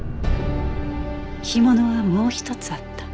干物はもう一つあった。